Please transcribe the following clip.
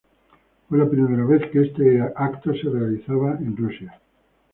Fue la primera vez que este evento se realizó en Rusia.